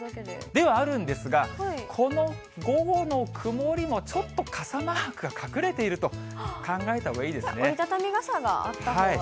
ではあるんですが、この午後の曇りもちょっと傘マークが隠れていると考えたほうがい折り畳み傘があったほうが？